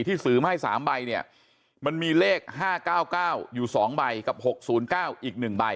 ที่สืมให้สามใบเนี่ยมันมีเลขห้าเก้าเก้าอยู่สองใบกับหกศูนย์เก้าอีกหนึ่งใบ